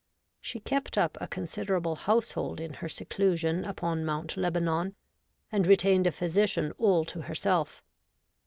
She kept up a considerable household in her seclusion upon Mount Lebanon, and retained a physician all to her self.